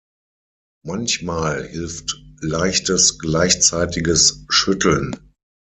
Manchmal hilft leichtes gleichzeitiges Schütteln.